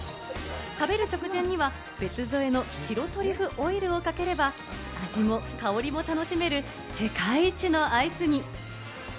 食べる直前には別添えの白トリュフオイルをかければ味も香りも楽しめる世界一のアイスに。